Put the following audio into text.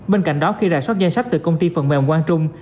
bên cạnh đó khi rải sót nhân sách từ công ty phần mềm quang trung